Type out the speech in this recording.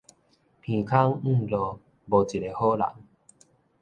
鼻空向落，無一个好人